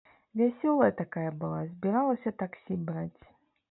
Вясёлая такая была, збіралася таксі браць.